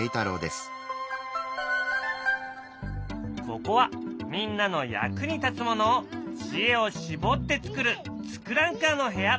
ここはみんなの役に立つものを知恵を絞って作る「ツクランカー」の部屋。